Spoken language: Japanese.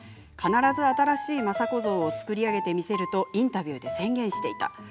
「必ず新しい政子像を作り上げてみせる」とインタビューで宣言していた。